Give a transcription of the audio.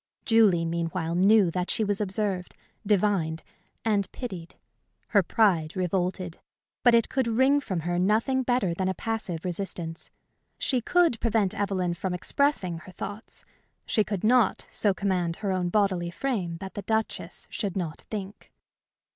Julie, meanwhile, knew that she was observed, divined, and pitied. Her pride revolted, but it could wring from her nothing better than a passive resistance. She could prevent Evelyn from expressing her thoughts; she could not so command her own bodily frame that the Duchess should not think.